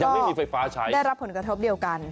ไม่มีไฟฟ้าใช้ได้รับผลกระทบเดียวกัน